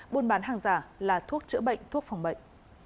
buôn bán hàng giả là thuốc chữa bệnh thuốc phòng bệnh